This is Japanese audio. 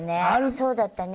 そうだったね。